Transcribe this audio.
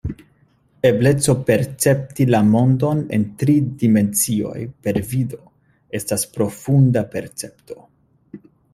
Ebleco percepti la mondon en tri dimensioj per vido estas profunda percepto.